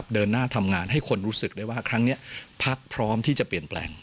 เดินหน้าทำงานให้คนรู้สึกได้ว่าครั้งนี้พักพร้อมที่จะเปลี่ยนแปลง